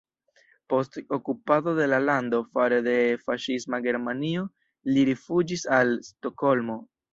Post okupado de la lando fare de faŝisma Germanio li rifuĝis al Stokholmo.